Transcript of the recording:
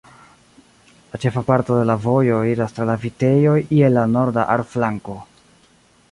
La ĉefa parto de la vojo iras tra la vitejoj je la norda Ahr-flanko.